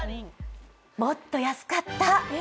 もっと安かった。